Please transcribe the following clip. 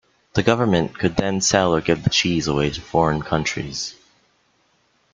The government could then sell or give the cheese away to foreign countries.